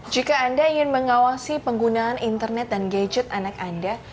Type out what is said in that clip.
jika anda ingin mengawasi penggunaan internet dan gadget anak anda